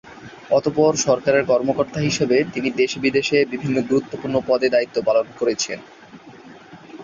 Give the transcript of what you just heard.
অতঃপর সরকারের কর্মকর্তা হিসেবে তিনি দেশে-বিদেশে বিভিন্ন গুরুত্বপূর্ণ পদে দায়িত্ব পালন করেছেন।